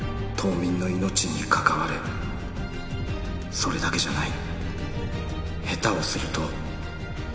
それだけじゃない